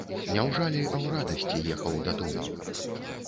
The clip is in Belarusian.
Не ў жалі, а ў радасці ехаў дадому.